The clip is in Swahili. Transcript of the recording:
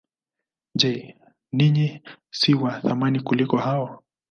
Je, ninyi si wa thamani kuliko hao?